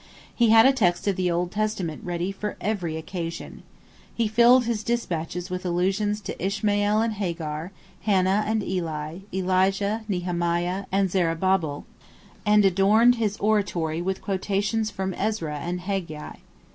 He had a text of the Old Testament ready for every occasion. He filled his despatches with allusions to Ishmael and Hagar, Hannah and Eli, Elijah, Nehemiah, and Zerubbabel, and adorned his oratory with quotations from Ezra and Haggai.